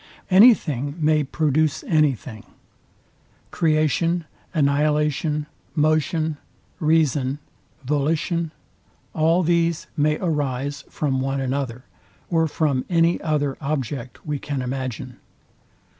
Any thing may produce any thing. Creation, annihilation, motion, reason, volition; all these may arise from one another, or from any other object we can imagine.